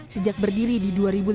sejak berdiri di dua ribu lima belas